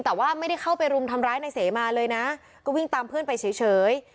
แต่ว่าไม่ได้เข้าไปรุมทำร้ายนายเสมาเลยนะก็วิ่งตามเพื่อนไปเฉย